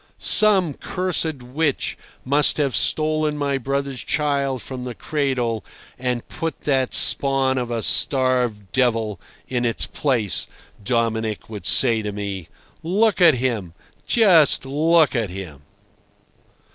"Some cursed witch must have stolen my brother's child from the cradle and put that spawn of a starved devil in its place," Dominic would say to me. "Look at him! Just look at him!"